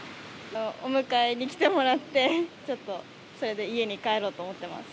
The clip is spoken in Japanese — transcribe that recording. お迎えに来てもらって、ちょっとそれで家に帰ろうと思ってます。